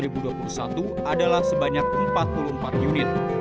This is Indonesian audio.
dua ribu dua puluh satu adalah sebanyak empat puluh empat unit